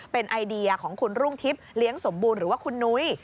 เป็นไอเดียของคุณรุ่งทิพย์เลี้ยงสมบูรณ์หรือว่าคุณนุ้ย